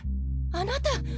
あなた！